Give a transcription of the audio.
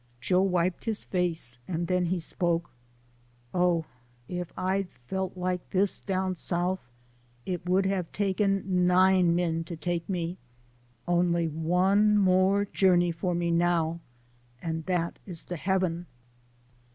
Joe wiped his face, and then he spoke. " Oh ! if I'd felt like dis down South, it would hab taken nine men to take me ; only one more journey for me now, and dat is to Hebben